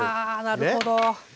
なるほど。